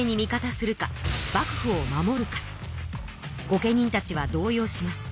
御家人たちは動揺します。